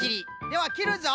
ではきるぞ！